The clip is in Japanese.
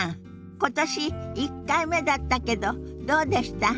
今年１回目だったけどどうでした？